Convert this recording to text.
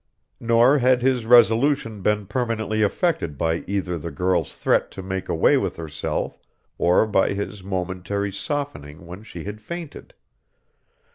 Nor had his resolution been permanently affected by either the girl's threat to make away with herself or by his momentary softening when she had fainted.